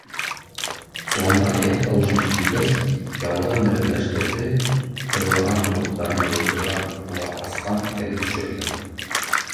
Соланда аяҡ тауышы ишетелгәс, яулығын рәтләштерҙе, һыҙлаған тубыҡтарын йылытырға була асҡан итәген төшөрҙө.